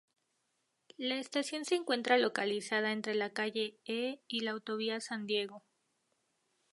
La estación se encuentra localizada entre la Calle E y la Autovía San Diego.